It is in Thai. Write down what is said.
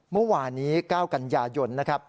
เมื่อวานี้๙กันยายน